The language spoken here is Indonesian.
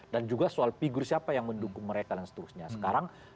dan juga soal figur siapa yang mendukung mereka dan seterusnya